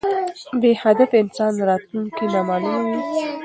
بی هدف انسان راتلونکي نامعلومه وي